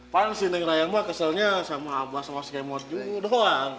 pan si neng rayang mah keselnya sama abah sama skemot juga doang